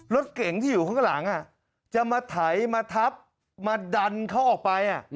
รถเก๋งที่อยู่ข้างหลังจะมาไถมาทับมาดันเขาออกไป